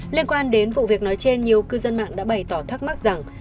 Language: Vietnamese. liên quan đến vụ việc nói trên nhiều cư dân mạng đã bày tỏ thắc mắc rằng